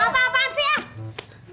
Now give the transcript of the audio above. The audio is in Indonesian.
apa apaan sih ah